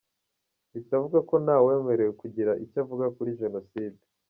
Bitavuze ko ntawemerewe kugira icyo avuga kuri Jenoside.